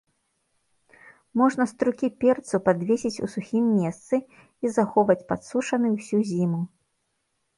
Можна струкі перцу падвесіць у сухім месцы і захоўваць падсушаны ўсю зіму.